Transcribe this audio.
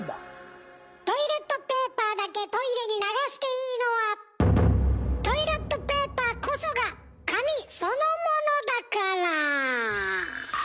トイレットペーパーだけトイレに流していいのはトイレットペーパーこそが紙そのものだから。